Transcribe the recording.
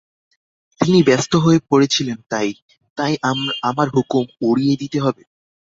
তিনি ব্যস্ত হয়ে পড়েছিলেন তাই– তাই আমার হুকুম উড়িয়ে দিতে হবে?